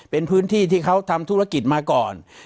เป็นพื้นที่ที่เขาทำธุรกิจมาก่อน